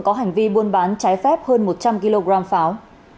có hành vi buôn bán trái phép hơn một trăm linh kg pháo